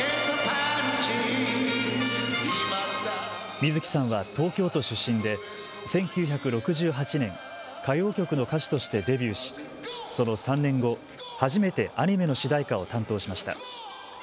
水木さんは東京都出身で１９６８年、歌謡曲の歌手としてデビューし、その３年後、初めてアニメの主題歌を担当しました。